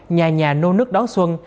nhà nhà nô nước đón xuân